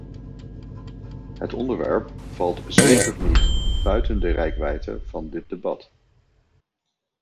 Het onderwerp valt zeker niet buiten de reikwijdte van dit debat.